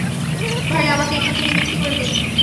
ভাই, আমাকে এখান থেকে মুক্ত করে দিন।